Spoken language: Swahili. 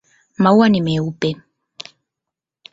Maua ni meupe.